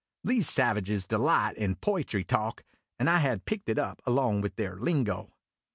(These savages delight in poitry talk, and I had picked it up along with their lingo.)